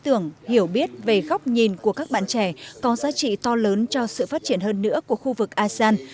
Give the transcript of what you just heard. ý tưởng hiểu biết về góc nhìn của các bạn trẻ có giá trị to lớn cho sự phát triển hơn nữa của khu vực asean